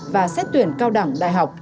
và xét tuyển cao đẳng đại học